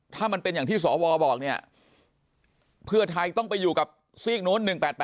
ถ้ามันเป็นอย่างที่สวบอกเนี่ยเพื่อไทยต้องไปอยู่กับซีกนู้น๑๘๘